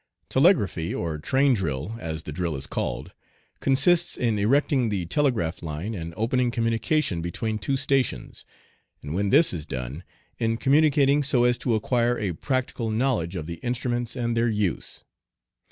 Telegraphy, or train drill, as the drill is called, consists in erecting the telegraph line and opening communication between two stations, and when this is done, in communicating so as to acquire a practical knowledge of the instruments and their use.